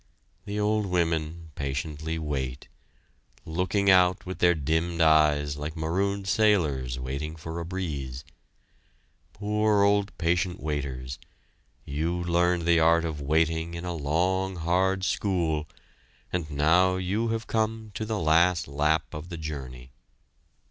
The old women patiently wait, looking out with their dimmed eyes like marooned sailors waiting for a breeze. Poor old patient waiters! you learned the art of waiting in a long hard school, and now you have come to the last lap of the journey.